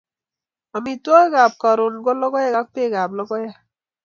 Amitwogikap karon ko logoek ak pekap logoek